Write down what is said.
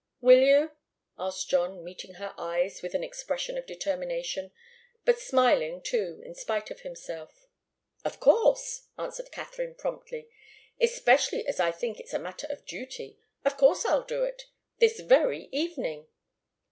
"Will you?" asked John, meeting her eyes with an expression of determination, but smiling, too, in spite of himself. "Of course!" answered Katharine, promptly. "Especially as I think it's a matter of duty. Of course I'll do it this very evening!"